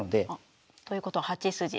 あっということは８筋。